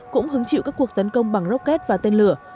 cũng hứng chịu các cuộc tấn công bằng rocket và tên lửa